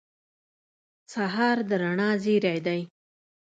سهار د رڼا زېری دی.